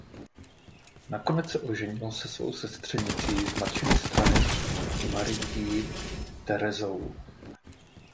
Nakonec se oženil se svou sestřenicí z matčiny strany Marií Terezou.